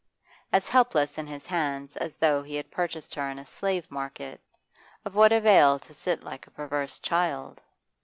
As helpless in his hands as though he had purchased her in a slave market, of what avail to sit like a perverse child?